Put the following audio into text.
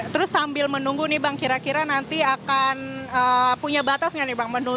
terus sambil menunggu nih bang kira kira nanti akan punya batas nggak nih bang menu